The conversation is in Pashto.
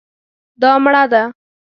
دا مړه ده